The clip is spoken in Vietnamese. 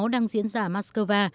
đang diễn ra ở moscow